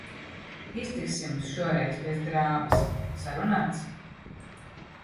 Iztiksim šoreiz bez drāmas, sarunāts?